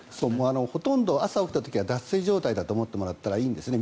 ほとんど朝起きた時は脱水状態だと思ってもらっていいんですね。